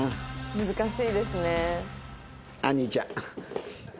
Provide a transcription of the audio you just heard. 難しいですね。